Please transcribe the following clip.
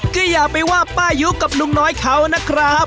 ก็อย่าไปว่าป้ายุกับลุงน้อยเขานะครับ